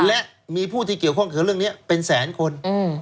และมีผู้ที่เกี่ยวข้องเกี่ยวเรื่องนี้เป็นแสนคน